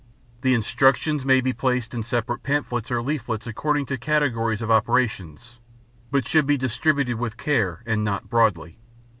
The instructions may be placed in separate pamphlets or leaflets according to categories of operations but should be distributed with care and not broadly.